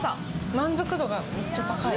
満足度がめっちゃ高い。